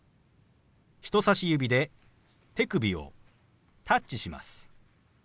人さし指で手首をタッチします。